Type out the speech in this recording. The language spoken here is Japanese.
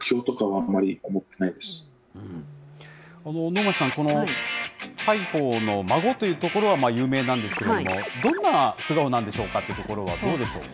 能町さん、この大鵬の孫というところは有名なんですけれども、どんな素顔なんでしょうかというところはどうでしょう？